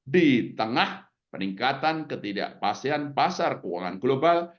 di tengah peningkatan ketidakpastian pasar keuangan global